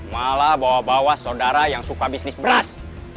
malah bawa bawa saudara yang suka bisnis beras